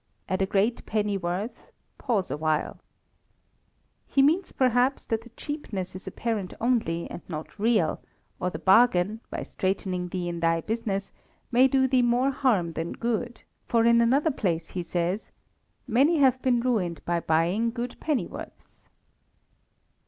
"At a great pennyworth, pause awhile." He means, perhaps, that the cheapness is apparent only, and not real; or the bargain, by straightening thee in thy business, may do thee more harm than good; for in another place he says, "Many have been ruined by buying good pennyworths."